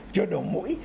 chưa đủ mũi